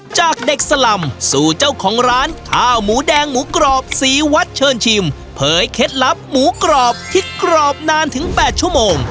จากเด็กสลำสู่เจ้าของร้านข้าวหมูแดงหมูกรอบศรีวัดเชิญชิมเผยเคล็ดลับหมูกรอบที่กรอบนานถึง๘ชั่วโมง